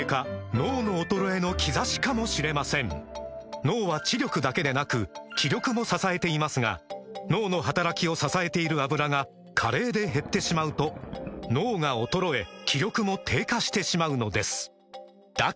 脳の衰えの兆しかもしれません脳は知力だけでなく気力も支えていますが脳の働きを支えている「アブラ」が加齢で減ってしまうと脳が衰え気力も低下してしまうのですだから！